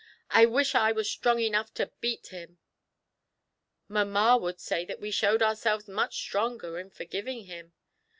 " I wish I were strong enough to beat him !"" Mamma would say that we showed ourselves much stronger in forgiving him.